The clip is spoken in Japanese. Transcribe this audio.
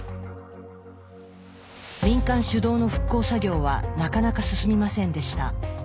民間主導の復興作業はなかなか進みませんでした。